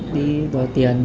đi đòi tiền